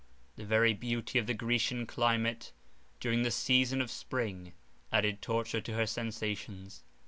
The very beauty of the Grecian climate, during the season of spring, added torture to her sensations.